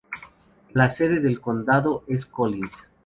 La sede del condado es Collins.